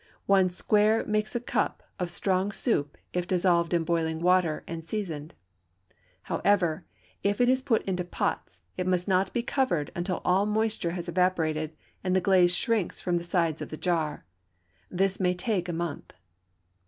One square makes a cup of strong soup if dissolved in boiling water and seasoned. If, however, it is put into pots, it must not be covered until all moisture has evaporated and the glaze shrinks from the sides of the jar. This may take a month.